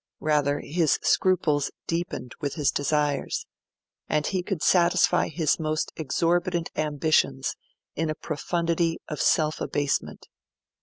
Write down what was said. Rather, his scruples deepened with his desires; and he could satisfy his most exorbitant ambitions in a profundity of self abasement.